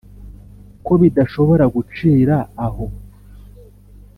ko bidashobora gucira aho.